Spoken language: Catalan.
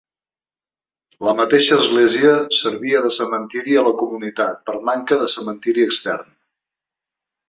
La mateixa església servia de cementiri a la comunitat, per manca de cementiri extern.